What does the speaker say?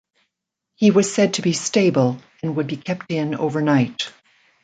He was said to be 'stable' and would be kept in overnight.